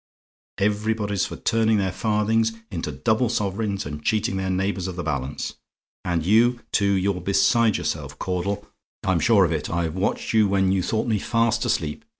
Everybody's for turning their farthings into double sovereigns and cheating their neighbours of the balance. And you, too you're beside yourself, Caudle I'm sure of it. I've watched you when you thought me fast asleep.